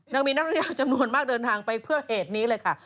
ยังมีนักเรียนจำนวนมากเดินทางไปเพื่อเหตุนี้เลยค่ะ